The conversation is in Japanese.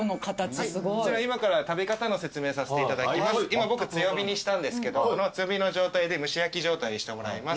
今僕強火にしたんですけど強火の状態で蒸し焼き状態にしてもらいます。